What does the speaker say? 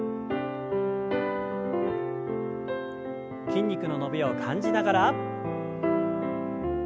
筋肉の伸びを感じながら。